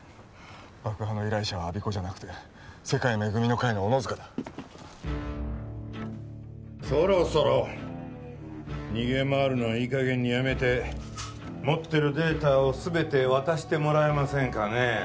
爆破の依頼者は我孫子じゃなくて世界恵みの会の小野塚だそろそろ逃げ回るのはいい加減にやめて持ってるデータを全て渡してもらえませんかね